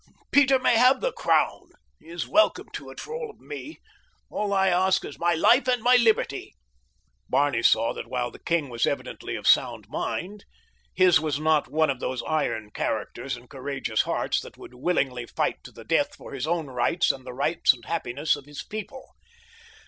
Peter may have the crown. He is welcome to it, for all of me. All I ask is my life and my liberty." Barney saw that while the king was evidently of sound mind, his was not one of those iron characters and courageous hearts that would willingly fight to the death for his own rights and the rights and happiness of his people.